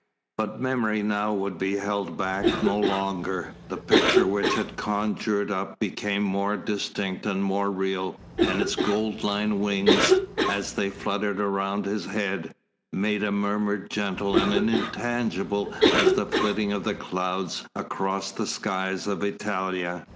But memory now would be held back no longer. The picture which it conjured up became more distinct and more real, and its gold lined wings, as they fluttered around his head, made a murmur gentle and intangible as the flitting of the clouds across the skies of Italia.